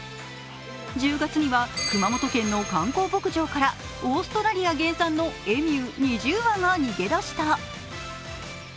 １０月には熊本県の観光牧場からオーストラリア原産のエミュー２０羽が逃げ出した。